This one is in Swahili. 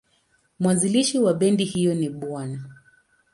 Mwanzilishi wa bendi hiyo ni Bw.